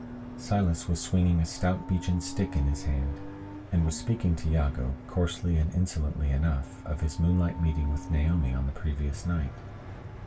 Silas was swinging a stout beechen stick in his hand, and was speaking to Jago, coarsely and insolently enough, of his moonlight meeting with Naomi on the previous night.